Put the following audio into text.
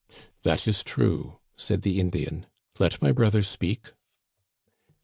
That is true," said the Indian, " let my brother speak."